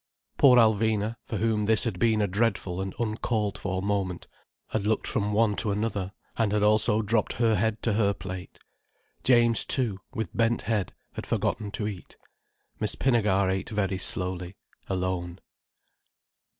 Poor Alvina, for whom this had been a dreadful and uncalled for moment, had looked from one to another, and had also dropped her head to her plate. James too, with bent head, had forgotten to eat. Miss Pinnegar ate very slowly, alone.